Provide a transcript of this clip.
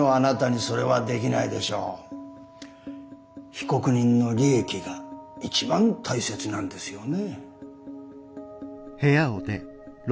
被告人の利益が一番大切なんですよね？